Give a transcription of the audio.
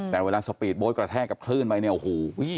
แต่เวลาสปีดโบ๊ทกระแทกกับคลื่นไปเนี่ยโอ้โห